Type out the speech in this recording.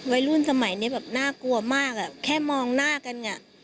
รุ่นสมัยนี้แบบน่ากลัวมากอ่ะแค่มองหน้ากัน